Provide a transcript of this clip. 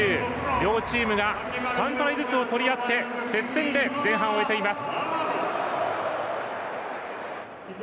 両チームが３トライずつ取り合って接戦で前半を終えています。